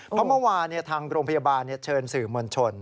เพราะเมื่อวานทางโรงพยาบาลเชิญสื่อมวลชน